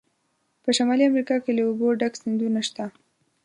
په شمالي امریکا کې له اوبو ډک سیندونه شته.